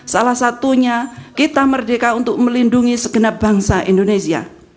salah satunya kita merdeka untuk melindungi segenap bangsa indonesia